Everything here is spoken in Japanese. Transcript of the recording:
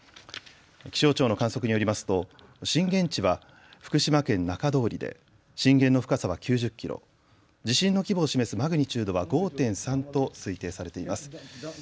気象庁の観測によりますと震源地は福島県中通りで震源の深さは９０キロ、地震の規模を示すマグニチュードは５．３と推定されています。